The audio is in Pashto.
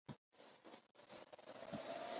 غیر بومي واکمنانو په کې حکومت کړی دی